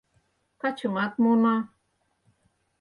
Качымат муына.